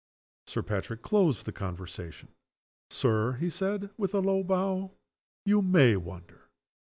Sir Patrick closed the conversation: "Sir," he said, with a low bow, "you may wonder."